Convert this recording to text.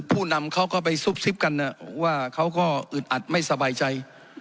ผู้นำเขาก็ไปซุบซิบกันว่าเขาก็อึดอัดไม่สบายใจ